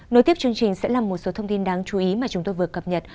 nối tiếp chương trình sẽ là một số thông tin đáng chú ý mà chúng tôi vừa cập nhật